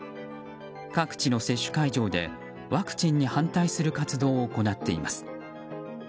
各地の接種会場でワクチンに反対する活動を行っています。